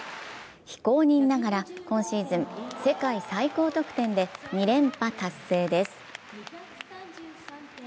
非公認ながら今シーズン世界最高得点で２連覇達成です。